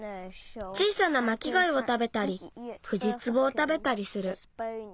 小さなまきがいをたべたりフジツボをたべたりする。